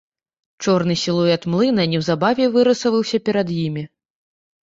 Чорны сілуэт млына неўзабаве вырысаваўся перад імі.